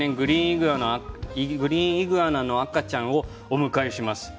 グリーンイグアナの赤ちゃんも来年お迎えします。